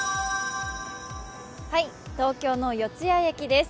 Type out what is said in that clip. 東京の四ツ谷駅です。